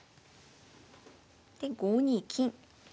で５二金。